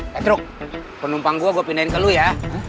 patrick penumpang gua gua pindahin ke lu ya